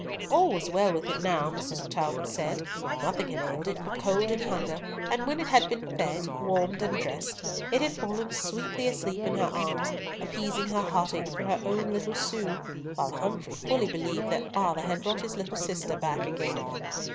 All was well with it now, Mrs. Talbot said. Nothing had ailed it but cold and hunger, and when it had been fed, warmed, and dressed, it had fallen sweetly asleep in her arms, appeasing her heartache for her own little Sue, while Humfrey fully believed that father had brought his little sister back again.